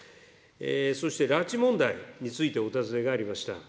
そして拉致問題についてお尋ねがありました。